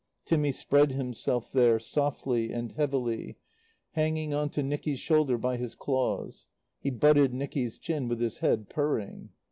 Timmy spread himself there, softly and heavily, hanging on to Nicky's shoulder by his claws; he butted Nicky's chin with his head, purring.